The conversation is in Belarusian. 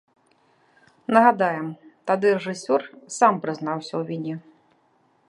Нагадаем, тады рэжысёр сам прызнаўся ў віне.